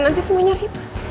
nanti semua nyari